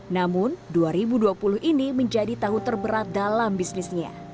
namun dua ribu dua puluh ini menjadi tahu terberat dalam bisnisnya